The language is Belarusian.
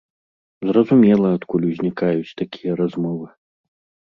Зразумела, адкуль узнікаюць такія размовы.